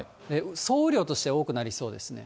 総雨量としては多くなりそうですね。